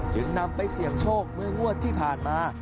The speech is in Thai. จึงนำไปเสี่ยงโชคเมื่องวดที่ผ่านมา